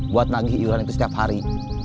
buat nagih iuran itu setiap hari